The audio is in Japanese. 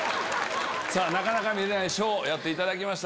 なかなか見れないショーやっていただきました。